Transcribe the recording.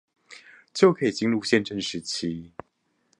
就可進入憲政時期